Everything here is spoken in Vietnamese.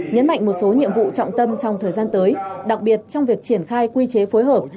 nhấn mạnh một số nhiệm vụ trọng tâm trong thời gian tới đặc biệt trong việc triển khai quy chế phối hợp